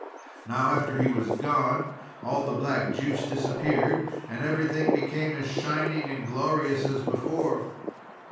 Now after he was gone, all the black juice disappeared, and everything became as shining and glorious as before.